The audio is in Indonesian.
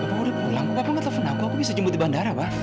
aku udah pulang bapak nggak telepon aku aku bisa jemput di bandara pak